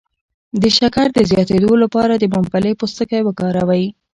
د شکر د زیاتیدو لپاره د ممپلی پوستکی وکاروئ